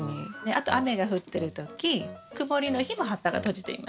あと雨が降ってる時曇りの日も葉っぱが閉じています。